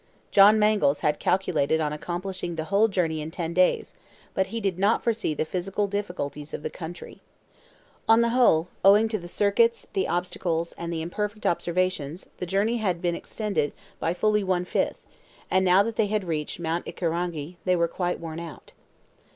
John Mangles had calculated on accomplishing the whole journey in ten days, but he did not foresee the physical difficulties of the country. On the whole, owing to the circuits, the obstacles, and the imperfect observations, the journey had been extended by fully one fifth, and now that they had reached Mount Ikirangi, they were quite worn out.